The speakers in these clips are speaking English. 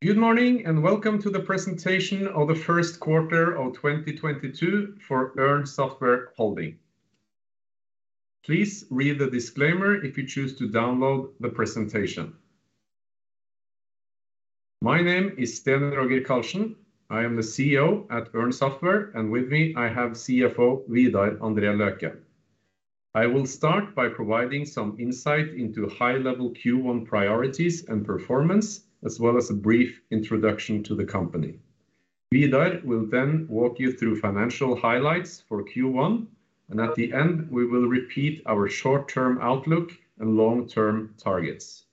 Good morning, and welcome to the presentation of the First Quarter of 2022 for Ørn Software Holding. Please read the disclaimer if you choose to download the presentation. My name is Sten-Roger Karlsen. I am the CEO at Ørn Software, and with me, I have CFO Vidar Andre Løken. I will start by providing some insight into high-level Q1 priorities and performance, as well as a brief introduction to the company. Vidar will then walk you through financial highlights for Q1, and at the end, we will repeat our short-term outlook and long-term targets.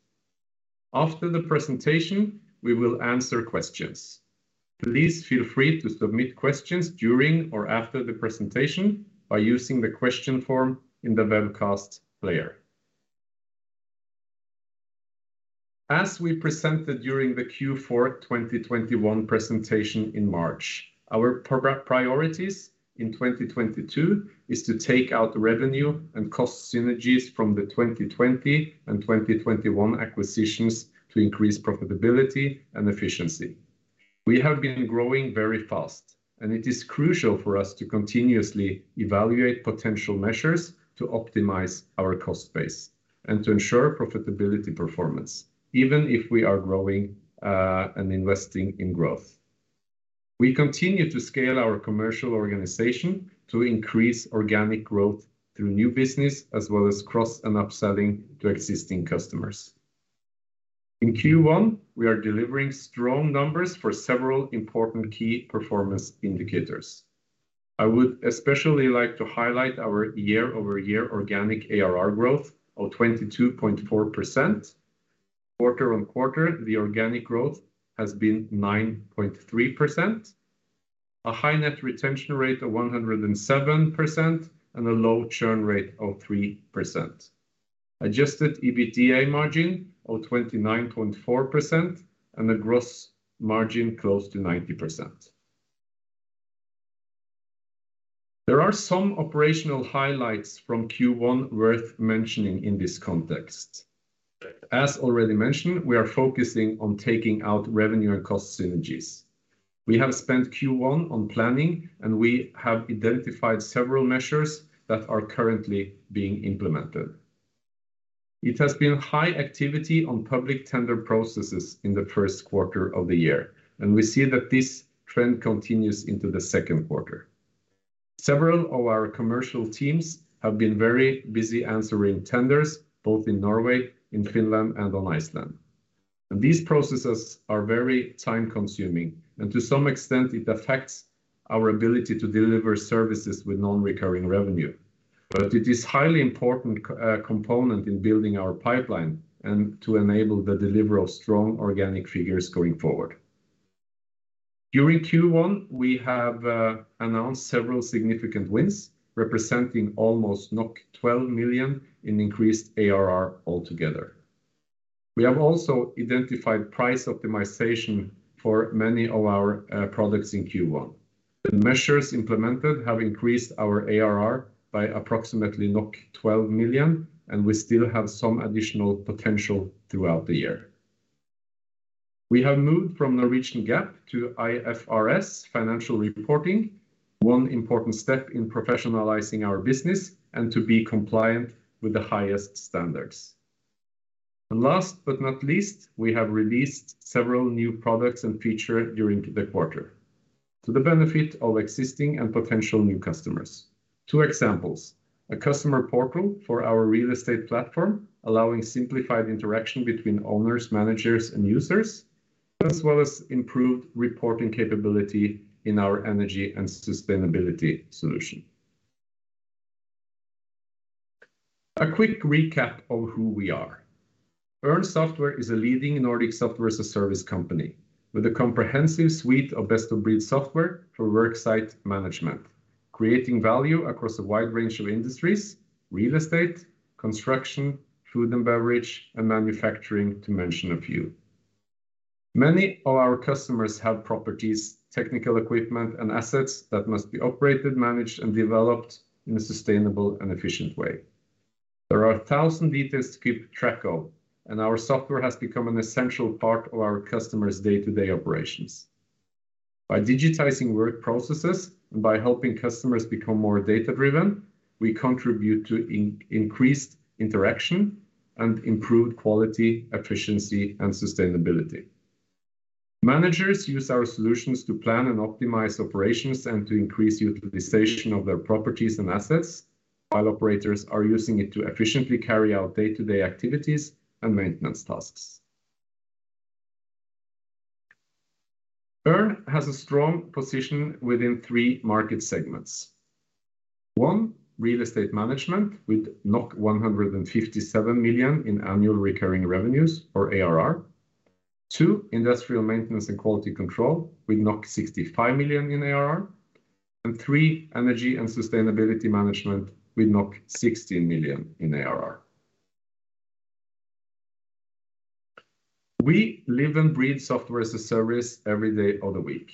After the presentation, we will answer questions. Please feel free to submit questions during or after the presentation by using the question form in the webcast player. As we presented during the Q4 2021 presentation in March, our priorities in 2022 is to take out the revenue and cost synergies from the 2020 and 2021 acquisitions to increase profitability and efficiency. We have been growing very fast, and it is crucial for us to continuously evaluate potential measures to optimize our cost base and to ensure profitability performance, even if we are growing, and investing in growth. We continue to scale our commercial organization to increase organic growth through new business, as well as cross and upselling to existing customers. In Q1, we are delivering strong numbers for several important key performance indicators. I would especially like to highlight our year-over-year organic ARR growth of 22.4%. Quarter-over-quarter, the organic growth has been 9.3%. A high net retention rate of 107% and a low churn rate of 3%. Adjusted EBITDA margin of 29.4% and a gross margin close to 90%. There are some operational highlights from Q1 worth mentioning in this context. As already mentioned, we are focusing on taking out revenue and cost synergies. We have spent Q1 on planning, and we have identified several measures that are currently being implemented. It has been high activity on public tender processes in the first quarter of the year, and we see that this trend continues into the second quarter. Several of our commercial teams have been very busy answering tenders, both in Norway, in Finland, and in Iceland. These processes are very time-consuming, and to some extent, it affects our ability to deliver services with non-recurring revenue. It is highly important component in building our pipeline and to enable the delivery of strong organic figures going forward. During Q1, we have announced several significant wins, representing almost 12 million in increased ARR altogether. We have also identified price optimization for many of our products in Q1. The measures implemented have increased our ARR by approximately 12 million, and we still have some additional potential throughout the year. We have moved from Norwegian GAAP to IFRS financial reporting, one important step in professionalizing our business and to be compliant with the highest standards. Last but not least, we have released several new products and features during the quarter to the benefit of existing and potential new customers. Two examples, a customer portal for our real estate platform, allowing simplified interaction between owners, managers, and users, as well as improved reporting capability in our energy and sustainability solution. A quick recap of who we are. Ørn Software is a leading Nordic software as a service company with a comprehensive suite of best-of-breed software for worksite management, creating value across a wide range of industries, real estate, construction, food, and beverage, and manufacturing, to mention a few. Many of our customers have properties, technical equipment, and assets that must be operated, managed, and developed in a sustainable and efficient way. There are a thousand details to keep track of, and our software has become an essential part of our customers' day-to-day operations. By digitizing work processes and by helping customers become more data-driven, we contribute to increased interaction and improved quality, efficiency, and sustainability. Managers use our solutions to plan and optimize operations and to increase utilization of their properties and assets, while operators are using it to efficiently carry out day-to-day activities and maintenance tasks. Ørn has a strong position within three market segments. One, real estate management with 157 million in annual recurring revenues or ARR. Two, industrial maintenance and quality control with 65 million in ARR. Three, energy and sustainability management with 60 million in ARR. We live and breathe software as a service every day of the week.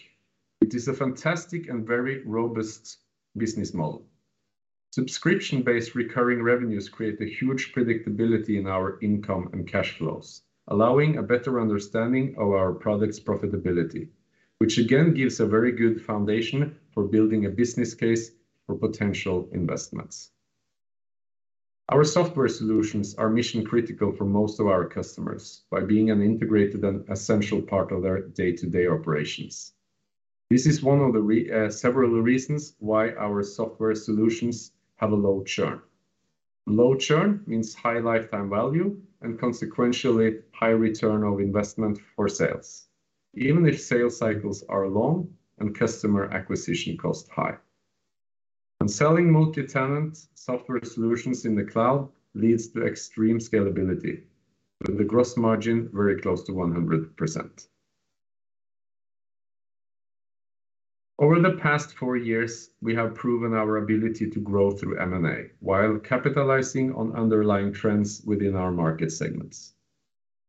It is a fantastic and very robust business model. Subscription-based recurring revenues create a huge predictability in our income and cash flows, allowing a better understanding of our product's profitability, which again gives a very good foundation for building a business case for potential investments. Our software solutions are mission-critical for most of our customers by being an integrated and essential part of their day-to-day operations. This is one of the several reasons why our software solutions have a low churn. Low churn means high lifetime value and consequentially high return of investment for sales, even if sales cycles are long and customer acquisition costs high. Selling multi-tenant software solutions in the cloud leads to extreme scalability, with the gross margin very close to 100%. Over the past four years, we have proven our ability to grow through M&A while capitalizing on underlying trends within our market segments.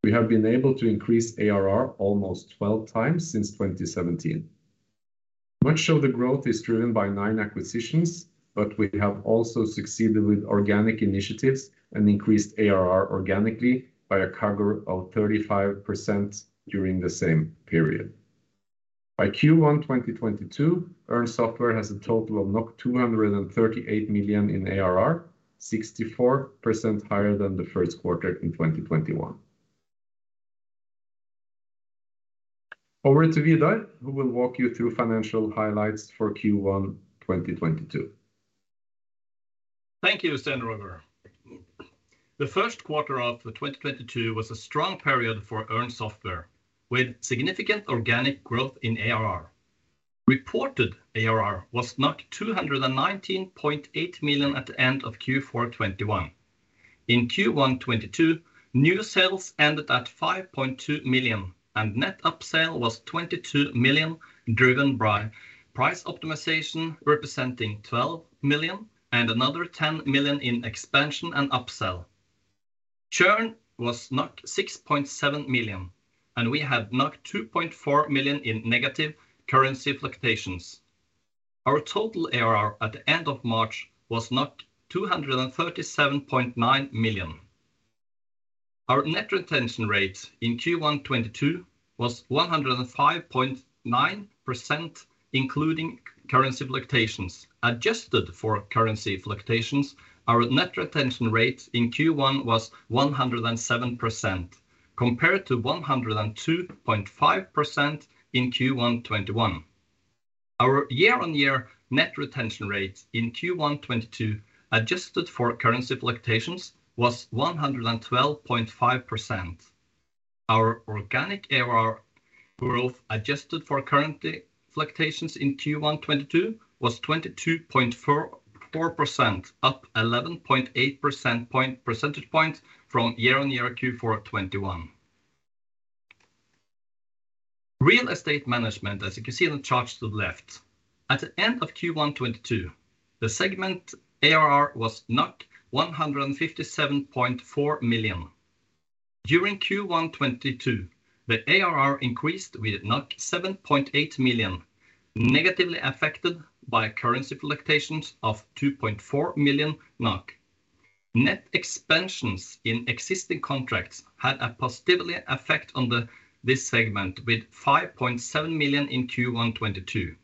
We have been able to increase ARR almost 12x since 2017. Much of the growth is driven by nine acquisitions, but we have also succeeded with organic initiatives and increased ARR organically by a CAGR of 35% during the same period. By Q1 2022, Ørn Software has a total of 238 million in ARR, 64% higher than the first quarter in 2021. Over to Vidar, who will walk you through financial highlights for Q1 2022. Thank you, Sten-Roger. The first quarter of 2022 was a strong period for Ørn Software, with significant organic growth in ARR. Reported ARR was 219.8 million at the end of Q4 2021. In Q1 2022, new sales ended at 5.2 million, and net upsell was 22 million, driven by price optimization representing 12 million and another 10 million in expansion and upsell. Churn was 6.7 million, and we had 2.4 million in negative currency fluctuations. Our total ARR at the end of March was 237.9 million. Our net retention rate in Q1 2022 was 105.9%, including currency fluctuations. Adjusted for currency fluctuations, our net retention rate in Q1 was 107% compared to 102.5% in Q1 2021. Our year-on-year net retention rate in Q1 2022, adjusted for currency fluctuations, was 112.5%. Our organic ARR growth, adjusted for currency fluctuations in Q1 2022, was 22.44%, up 11.8 percentage points from year-on-year Q4 2021. Real estate management, as you can see in the charts to the left. At the end of Q1 2022, the segment ARR was 157.4 million. During Q1 2022, the ARR increased with 7.8 million, negatively affected by currency fluctuations of 2.4 million NOK. Net expansions in existing contracts had a positive effect on this segment with 5.7 million in Q1 2022.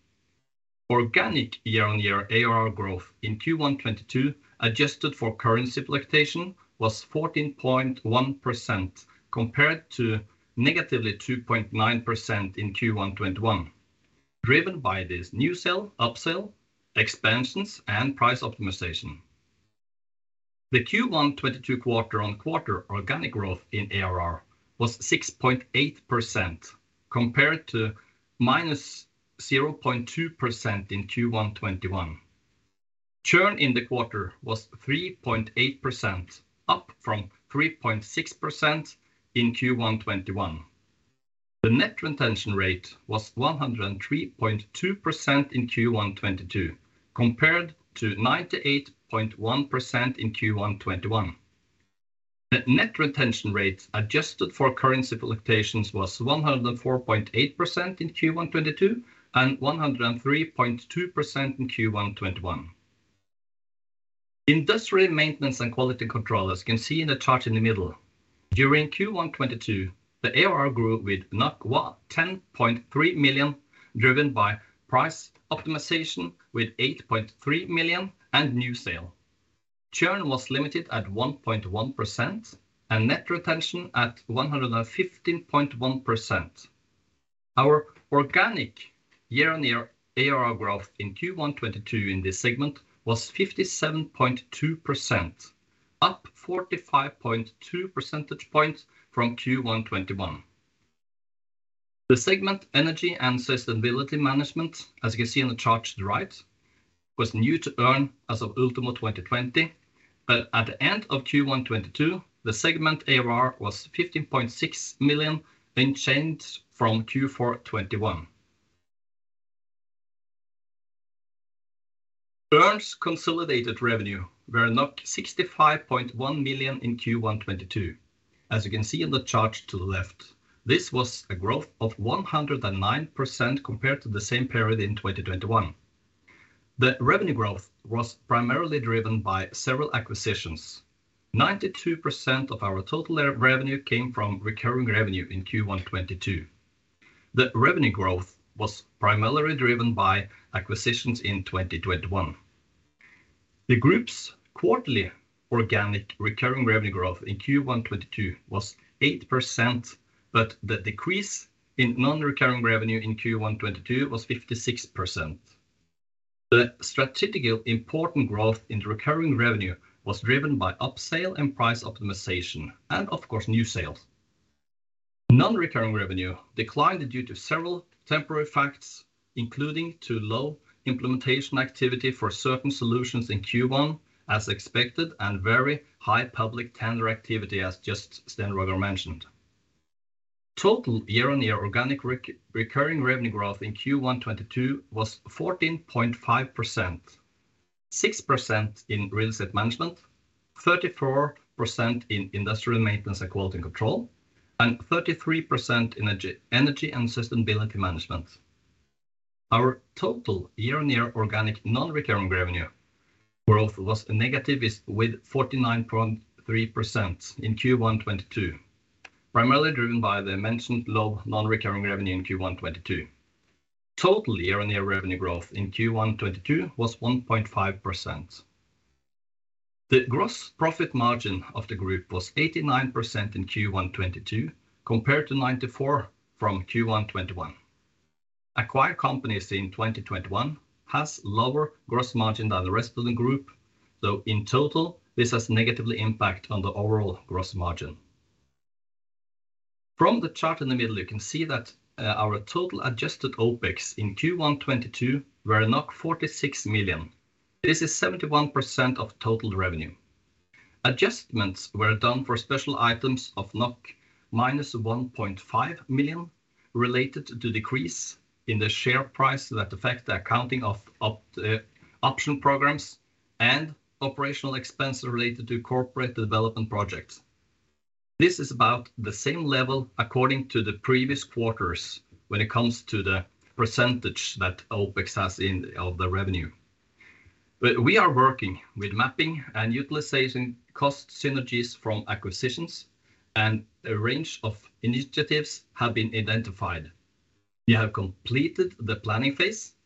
Organic year-on-year ARR growth in Q1 2022, adjusted for currency fluctuation, was 14.1% compared to -2.9% in Q1 2021, driven by this new sale, upsell, expansions, and price optimization. The Q1 2022 quarter-on-quarter organic growth in ARR was 6.8% compared to -0.2% in Q1 2021. Churn in the quarter was 3.8%, up from 3.6% in Q1 2021. The net retention rate was 103.2% in Q1 2022, compared to 98.1% in Q1 2021. The net retention rate, adjusted for currency fluctuations, was 104.8% in Q1 2022 and 103.2% in Q1 2021. Industrial maintenance and quality control, as you can see in the chart in the middle. During Q1 2022, the ARR grew with 110.3 million, driven by price optimization with 8.3 million and new sales. Churn was limited at 1.1% and net retention at 115.1%. Our organic year-on-year ARR growth in Q1 2022 in this segment was 57.2%, up 45.2 percentage points from Q1 2021. The segment energy and sustainability management, as you can see in the chart to the right, was new to Ørn as of ultimo 2020. At the end of Q1 2022, the segment ARR was 15.6 million, unchanged from Q4 2021. Ørn's consolidated revenue were 65.1 million in Q1 2022. As you can see in the chart to the left, this was a growth of 109% compared to the same period in 2021. The revenue growth was primarily driven by several acquisitions. 92% of our total revenue came from recurring revenue in Q1 2022. The revenue growth was primarily driven by acquisitions in 2021. The group's quarterly organic recurring revenue growth in Q1 2022 was 8%, but the decrease in non-recurring revenue in Q1 2022 was 56%. The strategically important growth in the recurring revenue was driven by upsell and price optimization and of course, new sales. Non-recurring revenue declined due to several temporary factors, including too low implementation activity for certain solutions in Q1 as expected, and very high public tender activity, as just Sten-Roger mentioned. Total year-on-year organic recurring revenue growth in Q1 2022 was 14.5%, 6% in real estate management, 34% in industrial maintenance, and quality control, and 33% in energy and sustainability management. Our total year-on-year organic non-recurring revenue growth was negative with 49.3% in Q1 2022. Primarily driven by the mentioned low non-recurring revenue in Q1 2022. Total year-on-year revenue growth in Q1 2022 was 1.5%. The gross profit margin of the group was 89% in Q1 2022 compared to 94% from Q1 2021. Acquired companies in 2021 have lower gross margin than the rest of the group, so in total, this has negative impact on the overall gross margin. From the chart in the middle, you can see that, our total adjusted OpEx in Q1 2022 were 46 million. This is 71% of total revenue. Adjustments were done for special items of -1.5 million related to decrease in the share price that affect the accounting of option programs and operational expenses related to corporate development projects. This is about the same level according to the previous quarters when it comes to the percentage that OpEx has in all the revenue. We are working with mapping and utilization cost synergies from acquisitions and a range of initiatives have been identified. We have completed the planning phase.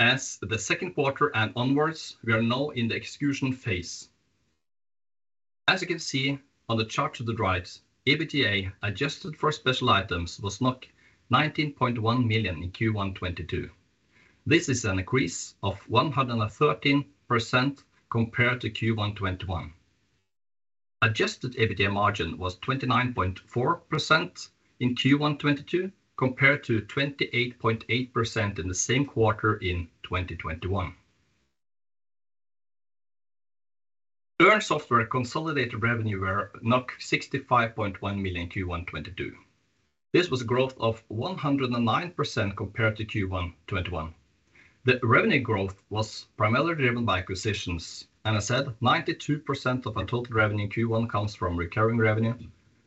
As the second quarter and onwards, we are now in the execution phase. As you can see on the chart to the right, EBITDA adjusted for special items was 19.1 million in Q1 2022. This is an increase of 113% compared to Q1 2021. Adjusted EBITDA margin was 29.4% in Q1 2022 compared to 28.8% in the same quarter in 2021. Ørn Software consolidated revenue were 65.1 million Q1 2022. This was a growth of 109% compared to Q1 2021. The revenue growth was primarily driven by acquisitions, and as I said 92% of our total revenue in Q1 comes from recurring revenue,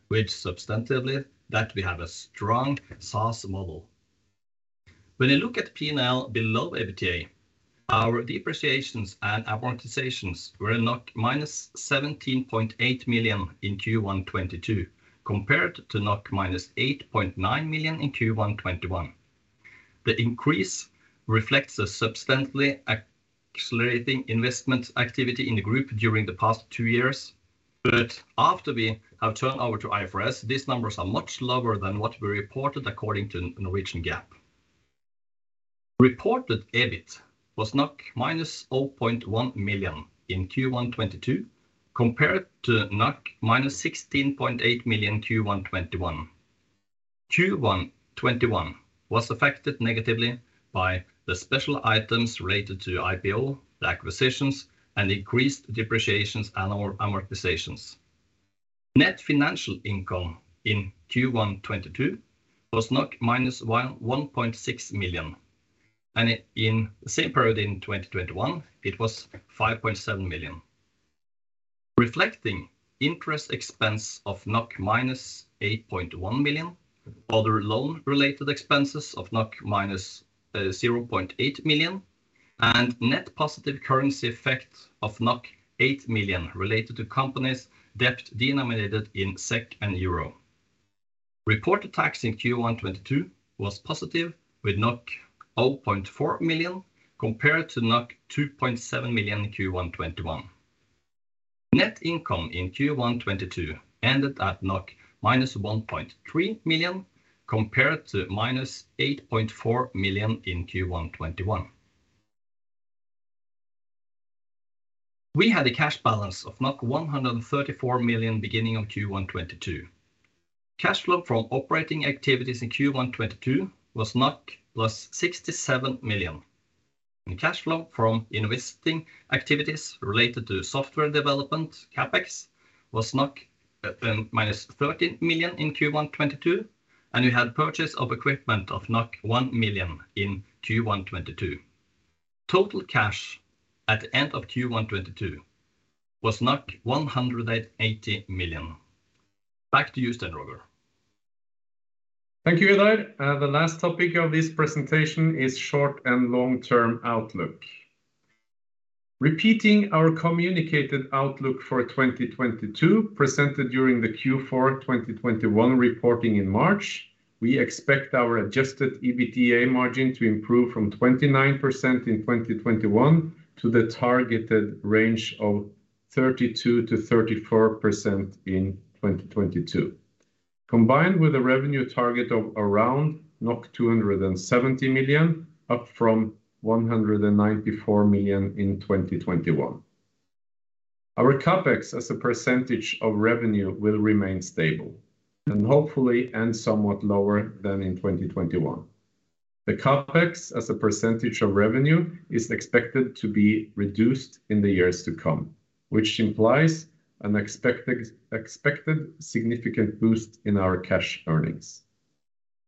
which substantiates that we have a strong SaaS model. When you look at P&L below EBITDA, our depreciations and amortizations were -17.8 million in Q1 2022 compared to -8.9 million in Q1 2021. The increase reflects a substantially accelerating investment activity in the group during the past two years. After we have turned over to IFRS, these numbers are much lower than what we reported according to Norwegian GAAP. Reported EBIT was -0.1 million in Q1 2022 compared to -16.8 million in Q1 2021. Q1 2021 was affected negatively by the special items related to IPO, the acquisitions, and increased depreciations and amortizations. Net financial income in Q1 2022 was -11.6 million, and in the same period in 2021, it was 5.7 million, reflecting interest expense of -8.1 million, other loan-related expenses of -0.8 million, and net positive currency effect of 8 million related to companies' debt denominated in SEK and euro. Reported tax in Q1 2022 was positive with 0.4 million compared to 2.7 million Q1 2021. Net income in Q1 2022 ended at -1.3 million compared to -8.4 million in Q1 2021. We had a cash balance of 134 million beginning of Q1 2022. Cash flow from operating activities in Q1 2022 was +67 million. Cash flow from investing activities related to software development, CapEx, was -13 million in Q1 2022 and we had purchase of equipment of 1 million in Q1 2022. Total cash at the end of Q1 2022 was 180 million. Back to you then, Sten-Roger. Thank you, Vidar. The last topic of this presentation is short and long-term outlook. Repeating our communicated outlook for 2022 presented during the Q4 2021 reporting in March, we expect our adjusted EBITDA margin to improve from 29% in 2021 to the targeted range of 32%-34% in 2022, combined with a revenue target of around 270 million, up from 194 million in 2021. Our CapEx as a percentage of revenue will remain stable, and hopefully end somewhat lower than in 2021. The CapEx as a percentage of revenue is expected to be reduced in the years to come, which implies an expected significant boost in our cash earnings.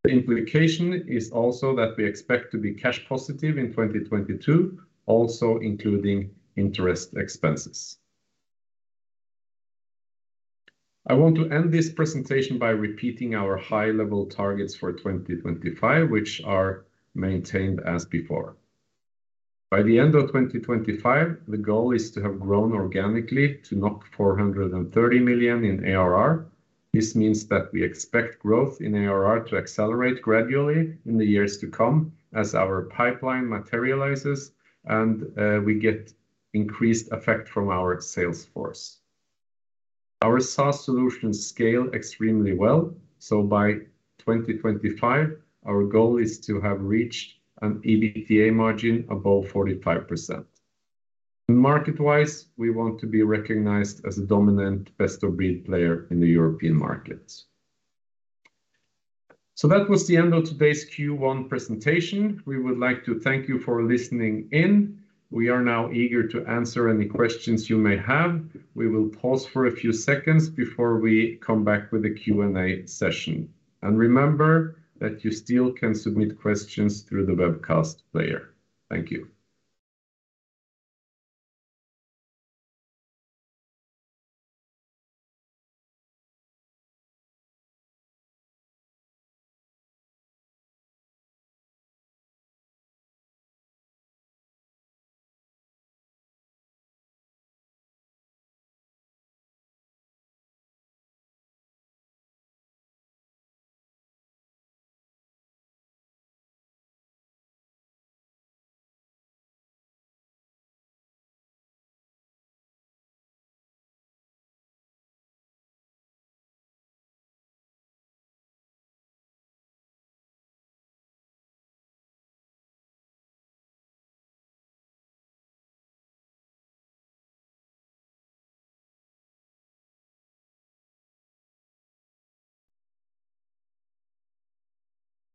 The implication is also that we expect to be cash positive in 2022, also including interest expenses. I want to end this presentation by repeating our high level targets for 2025, which are maintained as before. By the end of 2025, the goal is to have grown organically to 430 million in ARR. This means that we expect growth in ARR to accelerate gradually in the years to come as our pipeline materializes and we get increased effect from our sales force. Our SaaS solutions scale extremely well, so by 2025, our goal is to have reached an EBITDA margin above 45%. Market-wise, we want to be recognized as a dominant best-of-breed player in the European markets. That was the end of today's Q1 presentation. We would like to thank you for listening in. We are now eager to answer any questions you may have. We will pause for a few seconds before we come back with a Q&A session. Remember that you still can submit questions through the webcast player. Thank you.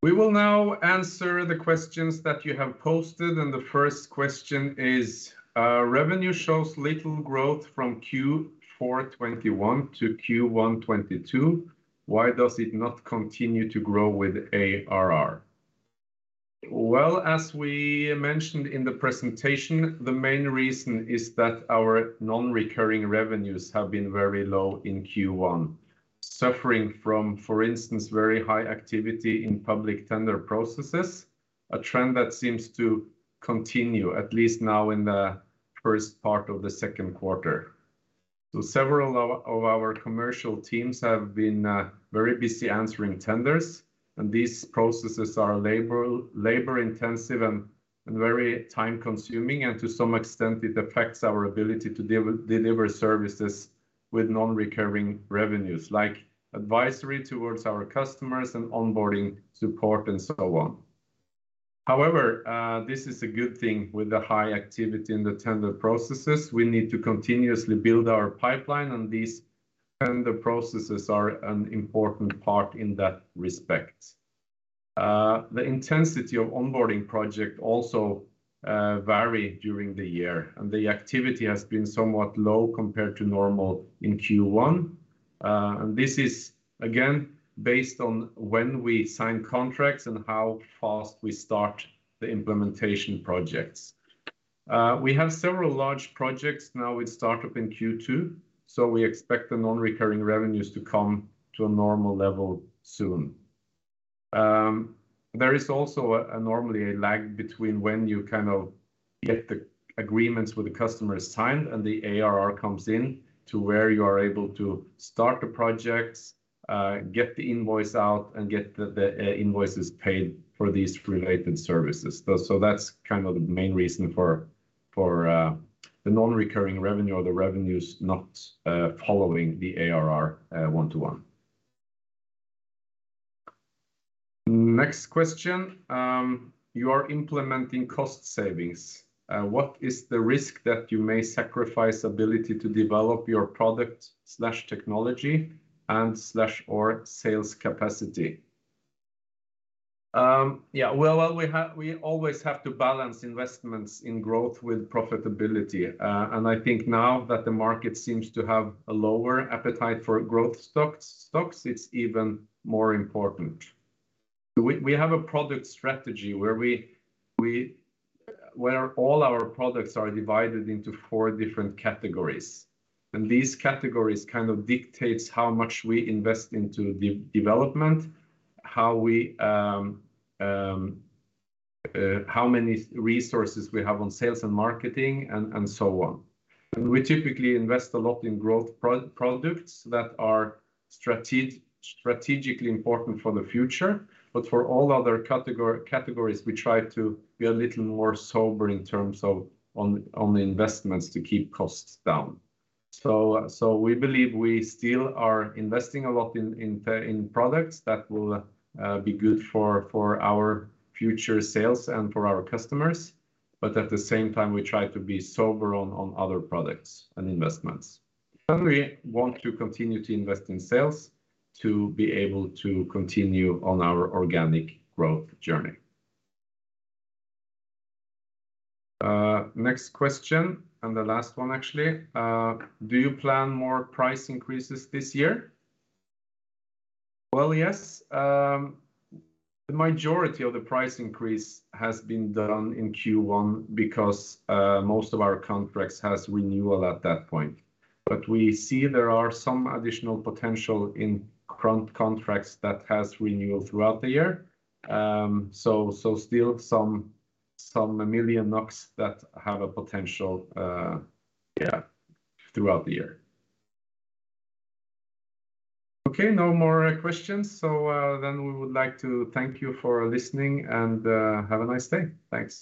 We will now answer the questions that you have posted, and the first question is, revenue shows little growth from Q4 2021 to Q1 2022. Why does it not continue to grow with ARR? Well, as we mentioned in the presentation, the main reason is that our non-recurring revenues have been very low in Q1, suffering from, for instance, very high activity in public tender processes, a trend that seems to continue, at least now in the first part of the second quarter. Several of our commercial teams have been very busy answering tenders, and these processes are labor intensive and very time-consuming, and to some extent it affects our ability to deliver services with non-recurring revenues, like advisory towards our customers and onboarding support and so on. However, this is a good thing with the high activity in the tender processes. We need to continuously build our pipeline, and these tender processes are an important part in that respect. The intensity of onboarding project also vary during the year, and the activity has been somewhat low compared to normal in Q1. This is again based on when we sign contracts and how fast we start the implementation projects. We have several large projects now with startup in Q2, so we expect the non-recurring revenues to come to a normal level soon. There is also normally a lag between when you kind of get the agreements with the customers signed and the ARR comes in to where you are able to start the projects, get the invoice out and get the invoices paid for these related services. That's kind of the main reason for the non-recurring revenue or the revenues not following the ARR one to one. Next question. You are implementing cost savings. What is the risk that you may sacrifice ability to develop your product/technology and/or sales capacity? Yeah, well, we always have to balance investments in growth with profitability. I think now that the market seems to have a lower appetite for growth stocks, it's even more important. We have a product strategy where we... where all our products are divided into four different categories, and these categories kind of dictate how much we invest into development, how we, how many resources we have on sales and marketing, and so on. We typically invest a lot in growth products that are strategically important for the future. For all other categories, we try to be a little more sober in terms of on the investments to keep costs down. We believe we still are investing a lot in products that will be good for our future sales and for our customers. At the same time, we try to be sober on other products and investments. We want to continue to invest in sales to be able to continue on our organic growth journey. Next question, and the last one actually. Do you plan more price increases this year? Well, yes. The majority of the price increase has been done in Q1 because most of our contracts has renewal at that point. We see there are some additional potential in current contracts that has renewal throughout the year. Still some million NOK that have a potential throughout the year. Okay, no more questions. Then we would like to thank you for listening and have a nice day. Thanks.